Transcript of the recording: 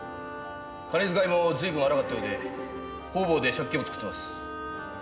金遣いも随分荒かったようで方々で借金を作ってます。